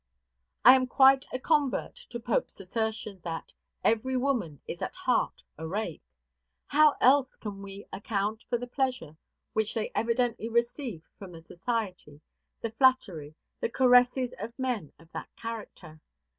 I am quite a convert to Pope's assertion, that "Every woman is at heart a rake." How else can we account for the pleasure which they evidently receive from the society, the flattery, the caresses of men of that character?